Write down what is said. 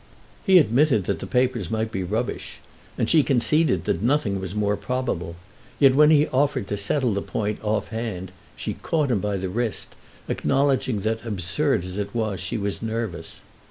He admitted that the papers might be rubbish, and she conceded that nothing was more probable; yet when he offered to settle the point off hand she caught him by the wrist, acknowledging that, absurd as it was, she was nervous.